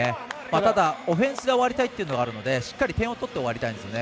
ただ、オフェンスで終わりたいというのはあるので点を取って終わりたいんですよね。